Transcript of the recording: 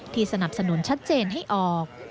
สนับสนุนชัดเจนให้ออก